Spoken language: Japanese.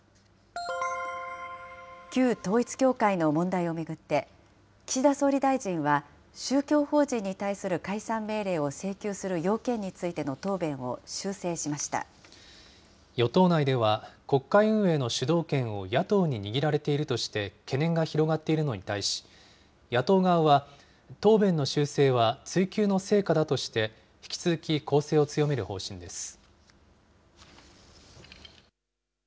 旧統一教会の問題を巡って、岸田総理大臣は宗教法人に対する解散命令を請求する要件について与党内では、国会運営の主導権を野党に握られているとして、懸念が広がっているのに対し、野党側は、答弁の修正は追及の成果だとして、引き続き攻勢を強める方針です。